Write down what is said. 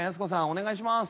お願いします。